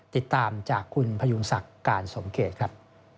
ติดตามจากคุณพยุงศักดิ์การสมเกตครับ